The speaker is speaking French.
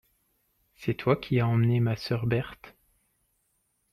C'est toi qu'as emmené ma sœur Berthe.